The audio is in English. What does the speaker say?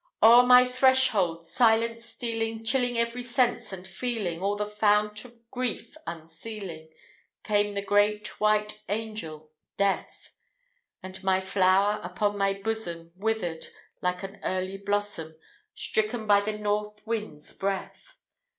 O'er my threshold silent stealing, Chilling every sense and feeling, All the fount of grief unsealing, Came the great white angel, Death; And my flower upon my bosom Withered, like an early blossom Stricken by the north wind's breath.